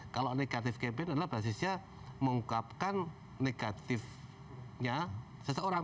kalau negatif campaign adalah basisnya mengungkapkan negatifnya seseorang